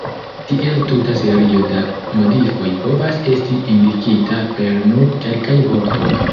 Tiel tuta serio da modifoj povas esti indikita per nur kelkaj vortoj.